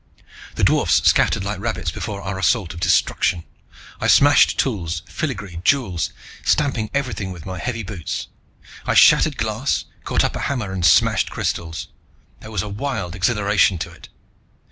The dwarfs scattered like rabbits before our assault of destruction. I smashed tools, filigree, jewels, stamping everything with my heavy boots. I shattered glass, caught up a hammer and smashed crystals. There was a wild exhilaration to it.